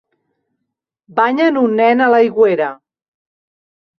Banyen un nen a l'aigüera